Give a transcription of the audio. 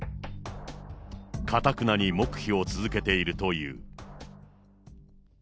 かたくなに黙秘を続けているという。